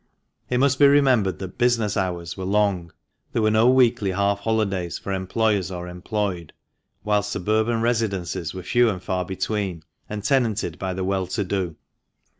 It must be remembered that business hours were long ; there were no weekly half holidays for employers or employed, whilst suburban residences were few and far between, and tenanted by the well to do.